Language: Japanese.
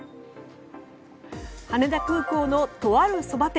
羽田空港のとあるそば店。